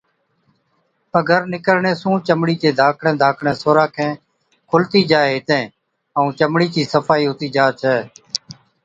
پگھر نِڪرڻي سُون چمڙِي چي ڌاڪڙين ڌاڪڙين سوراخين کُلتِي جائي هِتين ائُون چمڙِي چِي صفائِي هُتِي جا ڇَي۔